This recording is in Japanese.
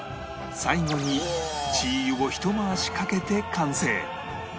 最後に鶏油をひと回しかけて完成